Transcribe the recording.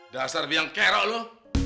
dasar biang kero lo